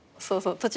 そうそう。